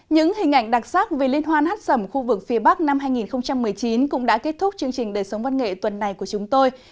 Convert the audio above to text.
những hình ảnh đặc sắc về liên hoan hát sầm khu vực phía bắc năm hai nghìn một mươi chín cũng đã kết thúc chương trình đời sống văn nghệ tuần này của chúng tôi